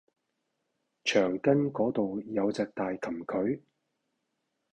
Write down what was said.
墙根个度有只大蠄蟝